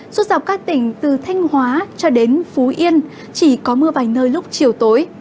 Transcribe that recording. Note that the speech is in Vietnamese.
suốt dọc các tỉnh từ thanh hóa cho đến phú yên chỉ có mưa vài nơi lúc chiều tối